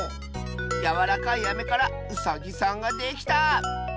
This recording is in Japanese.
やわらかいアメからウサギさんができた！